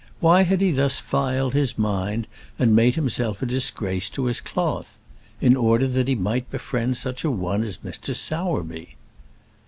Why had he thus filed his mind and made himself a disgrace to his cloth? In order that he might befriend such a one as Mr. Sowerby!